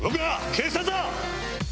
警察だ！